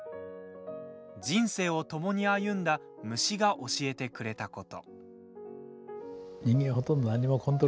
人生をともに歩んだ虫が教えてくれたこと。